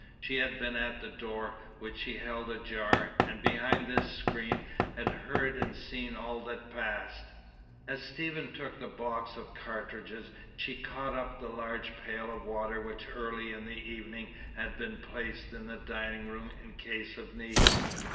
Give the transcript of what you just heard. She had been at the door, which she held ajar, and behind this screen had heard and seen all that passed. As Stephen took the box of cartridges, she caught up the large pail of water which early in the evening had been placed in the dining room in case of need.